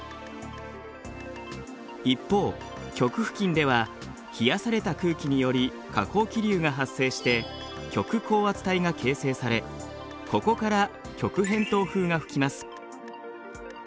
一方極付近では冷やされた空気により下降気流が発生して極高圧帯が形成されここから極偏東風が吹きます。